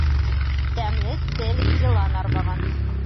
Тәмле тел йылан арбаған.